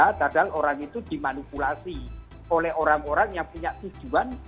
padahal orang itu dimanipulasi oleh orang orang yang punya tujuan